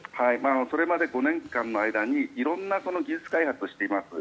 それまで５年間の間に色んな技術開発をしています。